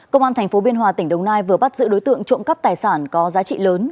công an tp biên hòa tỉnh đồng nai vừa bắt giữ đối tượng trộm cắp tài sản có giá trị lớn